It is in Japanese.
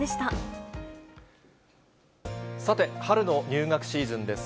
さて、春の入学シーズンです